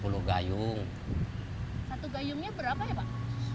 satu gayungnya berapa ya pak